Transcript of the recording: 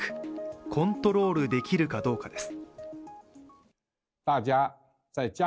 コントロールできるかどうかです。